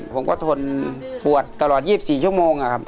ผมก็ทนปวดตลอด๒๔ชั่วโมงครับ